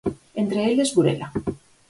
Entre eles Burela.